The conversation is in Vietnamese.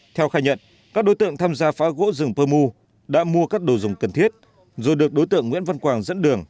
theo khai nhận các đối tượng tham gia phá gỗ rừng pơ mu đã mua các đồ dùng cần thiết rồi được đối tượng nguyễn văn quảng dẫn đường